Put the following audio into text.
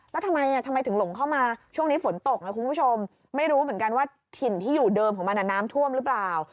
แล้วทำไมทำไมถึงหลงเข้ามาช่วงนี้ฝนตกคุณผู้ชมไม่รู้เหมือนกันว่าถิ่นที่อยู่เดิมของมันน้ำท่วมหรือเปล่า